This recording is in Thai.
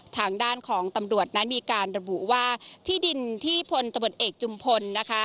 ทางด้านของตำรวจนั้นมีการระบุว่าที่ดินที่พลตำรวจเอกจุมพลนะคะ